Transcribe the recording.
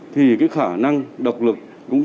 thì cái khả năng độc lực